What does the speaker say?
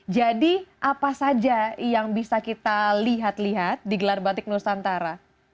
jadi apa saja yang bisa kita lihat lihat di gelar batik nusantara